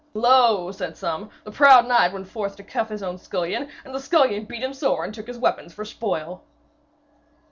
'Lo,' said some, 'the proud knight went forth to cuff his own scullion, and the scullion beat him sore and took his weapons for spoil.'